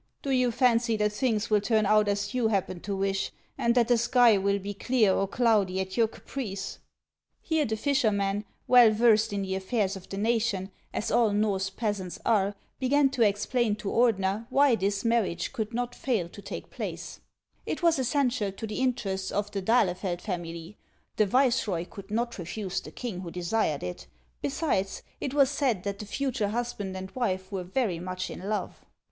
Do you fancy that things will turn out as you happen to HANS OF ICELAND. 309 wish, and that the sky will be clear or cloudy at your caprice ?" Here the fisherman, well versed in the affairs of the nation, as all Norse peasants are, began to explain to Ordener why this marriage could not fail to take place : it was essential to the interests of the d'Ahlefeld family ; the viceroy could not refuse the king, who desired it ; besides, it was said that the future husband and wife were very much in love.